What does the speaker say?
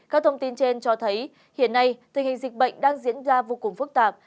các thông tin trên cho thấy hiện nay tình hình dịch bệnh đang diễn ra vô cùng phức tạp